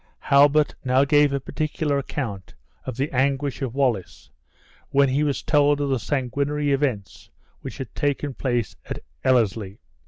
Halbert now gave a particular account of the anguish of Wallace, when he was told of the sanguinary events which had taken place at Ellerslie.